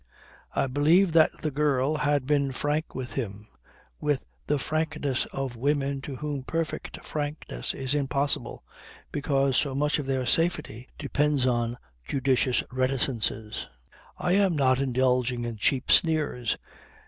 I believe that the girl had been frank with him, with the frankness of women to whom perfect frankness is impossible, because so much of their safety depends on judicious reticences. I am not indulging in cheap sneers.